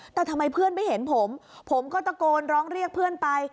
แต่ทำไมเพื่อนไม่เห็นผมผมก็ตะโกนร้องเรียกเพื่อนไป